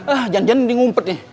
ah jangan jangan ini ngumpet nih